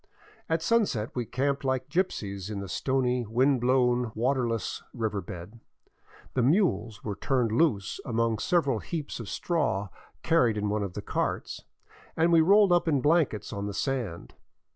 At sunset we camped like gypsies in the stony, wind blown, waterless river bed ; the mules were turned loose among several heaps of straw carried in one of the carts, and we rolled up in blankets on the sand.